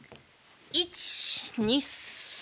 １２３。